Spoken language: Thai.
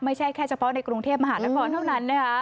ไม่ใช่แค่เฉพาะในกรุงเทพมหานครเท่านั้นนะคะ